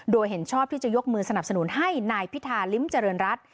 โดยเห็นชอบที่จะยกมือสนับสนุนให้นายพิธาลิ้มเจริญรัฐ